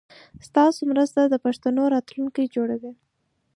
ستاسو مرسته د پښتو راتلونکی جوړوي.